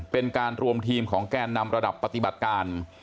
เป็นการรวมทีมของแกนนำระดับปฏิบัติการ